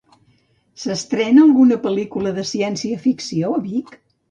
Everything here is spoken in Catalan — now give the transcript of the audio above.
S'estrena alguna pel·lícula de ciència-ficció a Vic?